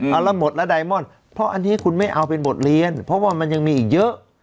เอาละหมดแล้วไดมอนด์เพราะอันนี้คุณไม่เอาเป็นบทเรียนเพราะว่ามันยังมีอีกเยอะ